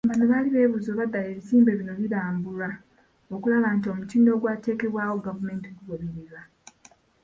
Bano bali beebuuza oba ddala ebizimbe bino birambulwa okulaba nti omutindo ogwateekebwawo gavumenti gugobererwa.